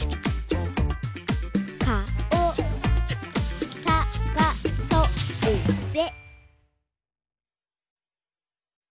「かおさがそうぜ」